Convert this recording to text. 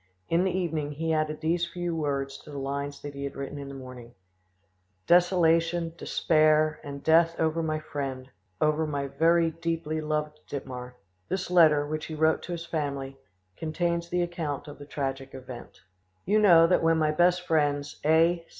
In the evening he added these few words to the lines that he had written in the morning:— "Desolation, despair, and death over my friend, over my very deeply loved Dittmar." This letter which he wrote to his family contains the account of the tragic event:— "You know that when my best friends, A.